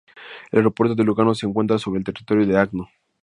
El aeropuerto de Lugano se encuentra sobre el territorio de Agno.